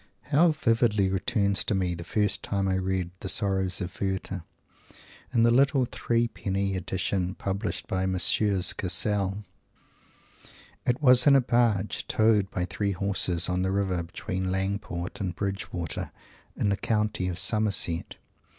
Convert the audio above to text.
How vividly returns to me your pardon, reader! the first time I read "The Sorrows of Werter" in that little "Three penny" edition published by Messrs. Cassell! It was in a Barge, towed by three Horses, on the River, between Langport and Bridgewater, in the County of Somerset!